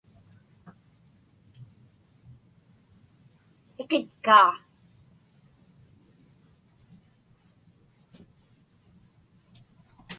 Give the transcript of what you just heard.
Iqitkaa.